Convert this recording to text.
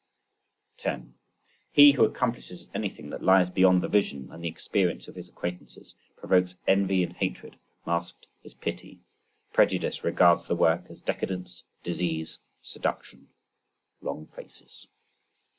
10. He who accomplishes anything that lies beyond the vision and the experience of his acquaintances,—provokes envy and hatred masked as pity,—prejudice regards the work as decadence, disease, seduction. Long faces.